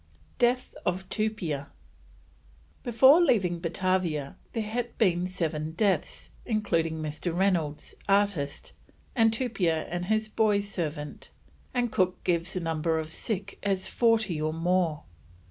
DEATH OF TUPIA. Before leaving Batavia there had been seven deaths, including Mr. Reynolds, artist, and Tupia and his boy servant, and Cook gives the number of sick as "forty or more."